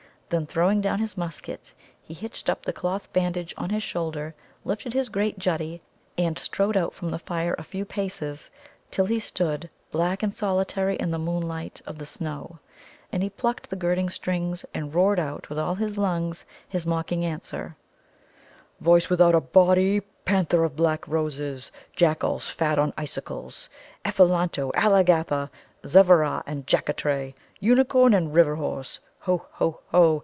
Then, throwing down his musket, he hitched up the cloth bandage on his shoulder, lifted his great Juddie, and strode out from the fire a few paces till he stood black and solitary in the moonlight of the snow. And he plucked the girding strings and roared out with all his lungs his mocking answer: "Voice without a body, Panther of black Roses, Jack Alls fat on icicles, Ephelanto, Aligatha, Zevvera and Jaccatray, Unicorn and River horse; Ho, ho, ho!